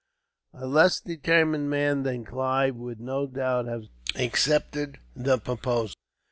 A less determined man than Clive would, no doubt, have accepted the proposal.